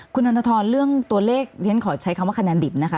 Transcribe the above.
คุณธนทรเรื่องตัวเลขฉันขอใช้คำว่าคะแนนดิบนะคะ